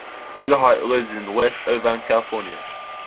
Urquhart lives in West Irvine, California.